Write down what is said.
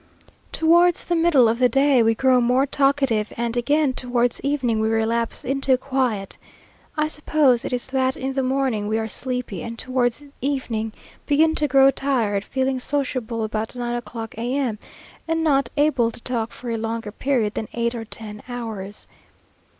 Towards the middle of the day we grow more talkative, and again towards evening we relapse into quiet. I suppose it is that in the morning we are sleepy, and towards evening begin to grow tired feeling sociable about nine o'clock, a.m., and not able to talk for a longer period than eight or ten hours.